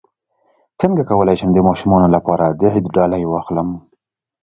څنګه کولی شم د ماشومانو لپاره د عید ډالۍ واخلم